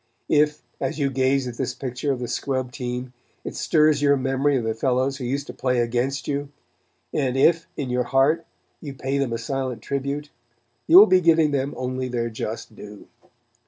If, as you gaze at this picture of the scrub team, it stirs your memory of the fellows who used to play against you, and, if, in your heart you pay them a silent tribute, you will be giving them only their just due.